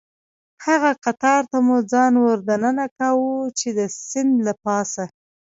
هغه قطار ته مو ځان وردننه کاوه، چې د سیند له پاسه.